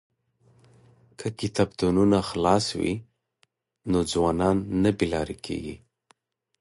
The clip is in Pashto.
که کتابتونونه خلاص وي نو ځوانان نه بې لارې کیږي.